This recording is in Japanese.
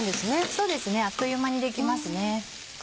そうですねあっという間にできますね。